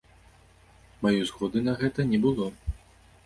Маёй згоды на гэта не было.